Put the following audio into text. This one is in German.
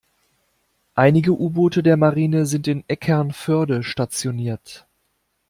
Einige U-Boote der Marine sind in Eckernförde stationiert.